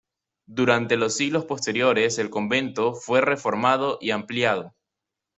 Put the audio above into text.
Durante los siglos posteriores el convento fue reformado y ampliado.